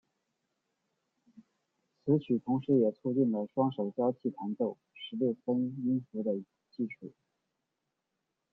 此曲同时也促进了双手交替弹奏十六分音符的技术。